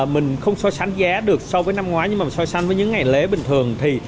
mình không so sánh giá được so với năm ngoái nhưng mà so sánh với những ngày lễ bình thường